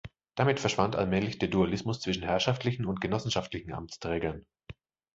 Damit verschwand allmählich der Dualismus zwischen herrschaftlichen und genossenschaftlichen Amtsträgern.